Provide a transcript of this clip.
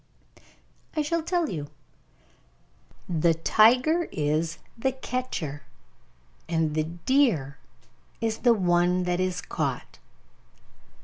I shall tell you. The tiger is the catcher, and the deer is the one that is caught.